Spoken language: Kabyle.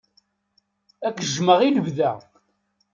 Ad k-jjmeɣ i lebda.